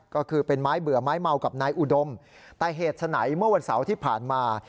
ก็คือเป็นไม้เบื่อไม้เมากับนายอุดมแต่เหตุฉะไหนเมื่อวันเสาร์ที่ผ่านมา